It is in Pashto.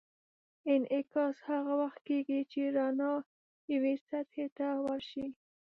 انعکاس هغه وخت کېږي چې رڼا یوې سطحې ته ورشي.